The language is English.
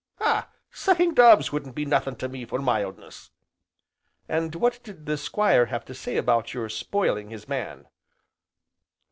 ah! sucking doves wouldn't be nothin' to me for mildness." "And what did the Squire have to say about your spoiling his man?"